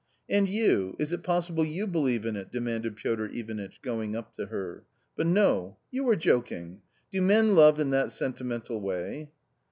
" And you, is it possible you believe in it ?" demanded Piotr Ivanitch, going up to her ;" but no ! you are joking ! Do men love in that sentimental way